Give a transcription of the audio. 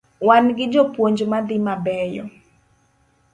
Wan gi jopuonj madhi mabeyo